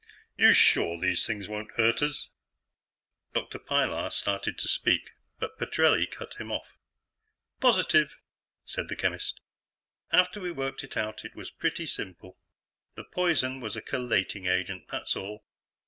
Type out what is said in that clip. You sure these things won't hurt us?" Dr. Pilar started to speak, but Petrelli cut him off. "Positive," said the chemist. "After we worked it out, it was pretty simple. The 'poison' was a chelating agent, that's all.